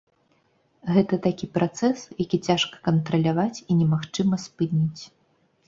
Гэта такі працэс, які цяжка кантраляваць, і немагчыма спыніць.